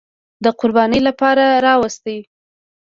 د قربانۍ لپاره راوست.